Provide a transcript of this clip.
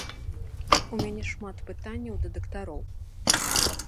У мяне шмат пытанняў да дактароў.